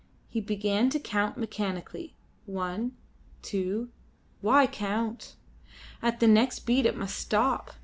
He began to count mechanically. One, two. Why count? At the next beat it must stop.